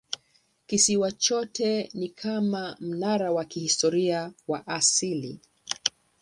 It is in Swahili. Kisiwa chote ni kama mnara wa kihistoria wa asili.